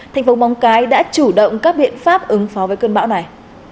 thành phố móng cái đã chủ động các biện pháp ứng phó với cơn bão này